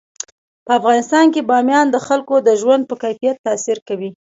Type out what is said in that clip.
په افغانستان کې بامیان د خلکو د ژوند په کیفیت تاثیر کوي.